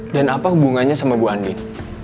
dan apa hubungannya sama gue andin